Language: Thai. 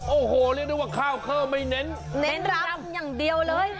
โอ้โหเรียกได้ว่าข้าวเข้าไม่เน้นเน้นรำอย่างเดียวเลย